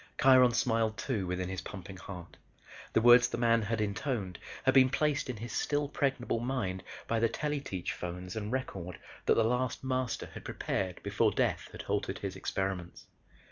Kiron smiled too within his pumping heart. The words the Man had intoned had been placed in his still pregnable mind by the tele teach phones and record that the last Master had prepared before death had halted his experiments.